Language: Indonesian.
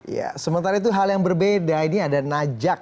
ya sementara itu hal yang berbeda ini ada najak